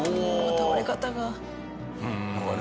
倒れ方が。